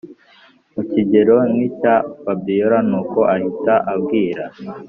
mukigero nkicya fabiora nuko ahita abwira